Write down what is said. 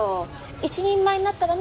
「一人前になったらね」